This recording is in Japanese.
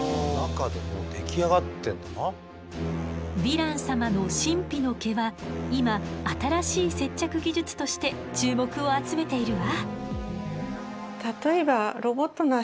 ヴィラン様の神秘の毛は今新しい接着技術として注目を集めているわ。